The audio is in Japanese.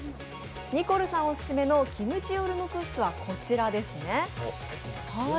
ニコルさんオススメのキムチヨルムクッスはこちらです。